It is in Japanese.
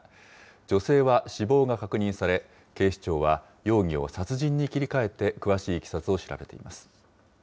女性は死亡が確認され、警視庁は容疑を殺人に切り替えて、詳しいいきさつを調べています。